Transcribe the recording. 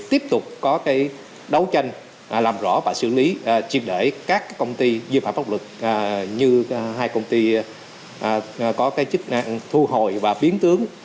tiếp tục có đấu tranh làm rõ và xử lý triệt để các công ty vi phạm pháp luật như hai công ty có chức năng thu hồi và biến tướng